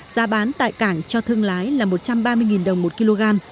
giá bán tại cảng cho thương lái là một trăm ba mươi đồng một kg